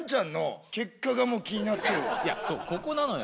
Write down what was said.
ここなのよ。